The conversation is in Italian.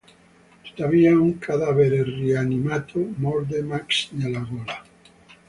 Tuttavia, un cadavere rianimato, morde Max nella gola.